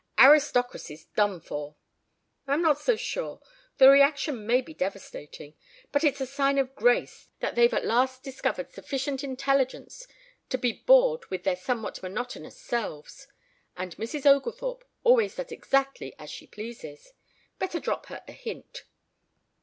Aristocracy's done for." "I'm not so sure. The reaction may be devastating. But it's a sign of grace that they've at last discovered sufficient intelligence to be bored with their somewhat monotonous selves. And Mrs. Oglethorpe always does exactly as she pleases. Better drop her a hint."